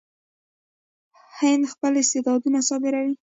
هند خپل استعدادونه صادروي.